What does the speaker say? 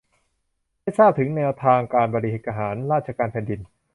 ให้ทราบถึงแนวทางการบริหารราชการแผ่นดิน